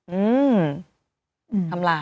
อืมทำลาย